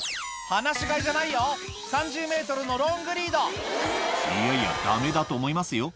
「放し飼いじゃないよ３０ｍのロングリード」いやいやダメだと思いますよ